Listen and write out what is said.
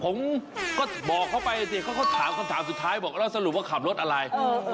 ผมก็บอกเขาไปเขาก็ถามสุดท้ายบอกว่าสรุปว่าขับรถอะไร